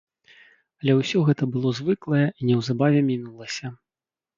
Але ўсё гэта было звыклае і неўзабаве мінулася.